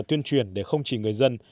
tuyên truyền để không chỉ người dân